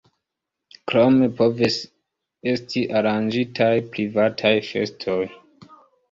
Krome povis esti aranĝitaj privataj festoj.